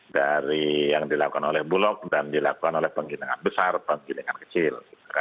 dari yang dilakukan oleh bulog dan dilakukan oleh penggilingan besar penggilingan kecil